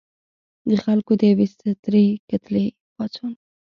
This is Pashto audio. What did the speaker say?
د خلکو د یوې سترې کتلې پاڅون و.